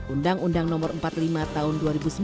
undang undang no empat puluh lima tahun dua ribu sembilan